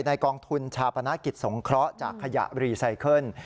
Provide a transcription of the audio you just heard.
กองทุนชาปนกิจสงเคราะห์จากขยะรีไซเคิล